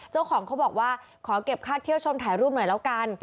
เจ้าของเขาบอกว่าขอเก็บค่าเที่ยวชมถ่ายรูปหน่อยแล้วกัน